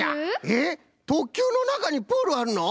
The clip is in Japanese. えっ特急のなかにプールあるの？